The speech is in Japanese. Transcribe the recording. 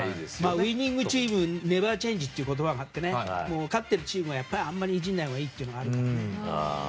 ウィニングチームネバーチェンジっていう言葉があって勝ってるチームはあんまりいじらないほうがいいっていうのが。